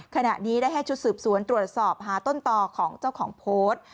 ขณะนี้ได้ให้ชุดสืบสวนตรวจสอบหาต้นต่อของเจ้าของโพสต์